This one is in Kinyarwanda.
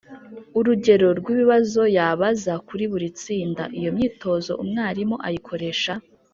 urugero rw’ibibazo yabaza kuri buri tsinda. Iyo myitozo umwarimu ayikoresha